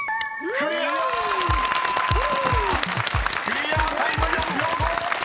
［クリアタイム４秒５］